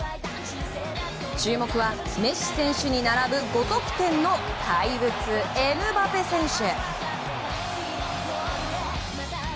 注目はメッシ選手に並ぶ５得点の怪物、エムバペ選手。